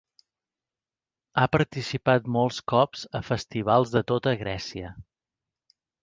Ha participat molts cops a festivals de tota Grècia.